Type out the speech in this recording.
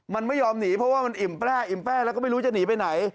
มันไม่ยอมหนีเพราะว่ามันอิ่มแปร้อิ่มแป้แล้วก็ไม่รู้จะหนีไปไหน